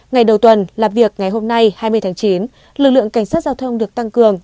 ngày đầu tuần làm việc ngày hôm nay hai mươi tháng chín lực lượng cảnh sát giao thông được tăng cường